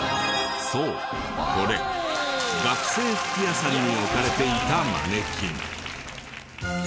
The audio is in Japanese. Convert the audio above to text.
そうこれ学生服屋さんに置かれていたマネキン。